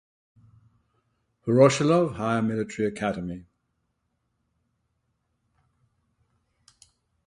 Voroshilov Higher Military Academy.